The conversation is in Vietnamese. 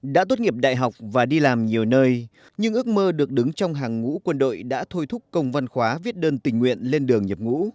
đã tốt nghiệp đại học và đi làm nhiều nơi nhưng ước mơ được đứng trong hàng ngũ quân đội đã thôi thúc công văn khóa viết đơn tình nguyện lên đường nhập ngũ